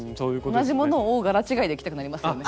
同じ物を柄違いで着たくなりますよね？